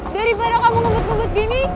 daripada kamu ngebut ngebut gini